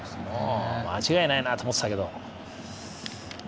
間違いないなと思ってたけど。